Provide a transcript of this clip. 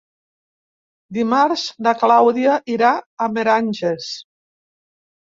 Dimarts na Clàudia irà a Meranges.